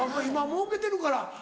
今もうけてるから。